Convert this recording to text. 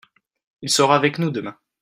Il sera avec nous demain.